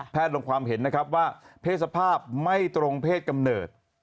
ลงความเห็นนะครับว่าเพศสภาพไม่ตรงเพศกำเนิด